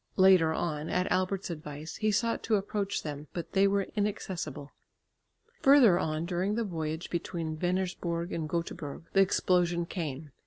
Later on, at Albert's advice, he sought to approach them, but they were inaccessible. Further on during the voyage between Venersborg and Göteborg the explosion came.